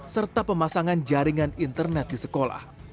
serta pemasangan jaringan internet di sekolah